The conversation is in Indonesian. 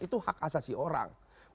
itu hak asasi orang